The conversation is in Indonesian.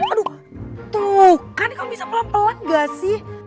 waduh tuh kan kamu bisa pelan pelan gak sih